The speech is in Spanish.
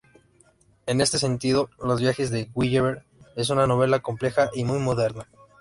En este sentido, "Los viajes de Gulliver" es una novela compleja y muy moderna.